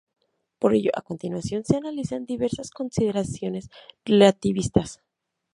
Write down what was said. Por ello a continuación se analizan diversas consideraciones relativistas.